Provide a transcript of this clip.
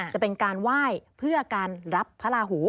จะเป็นการไหว้เพื่อการรับพระราหู